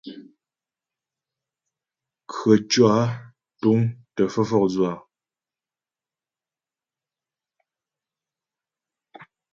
Krəcwɔ́ á túŋ tə́ fə́ fɔkdzʉ á ?